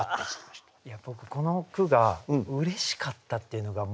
いや僕この句がうれしかったっていうのが。